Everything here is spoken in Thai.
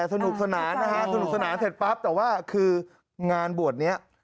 สนุกสนานนะฮะสนุกสนานเสร็จปั๊บแต่ว่าคืองานบวชนี้